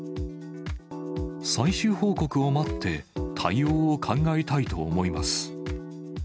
最終報告を待って、対応を考えたいと思います。